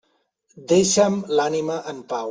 Deixa'm l'ànima en pau.